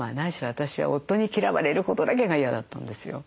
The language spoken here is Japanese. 私は夫に嫌われることだけが嫌だったんですよ。